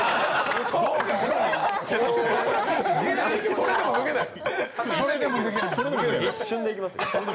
それでも脱げない？